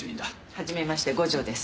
はじめまして五条です。